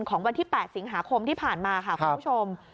ของวันที่๘สิงหาคมที่ผ่านมาค่ะคุณผู้ชม